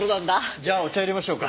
じゃあお茶淹れましょうか？